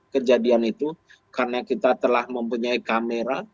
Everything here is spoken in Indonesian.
karena kita telah mempunyai kamera